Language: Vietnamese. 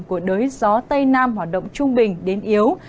của đới gió tây nam hoạt động trung bình đến yếu